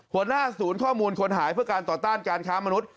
หัวหน้าศูนย์ข้อมูลคนหายเพื่อการต่อต้านการค้ามนุษย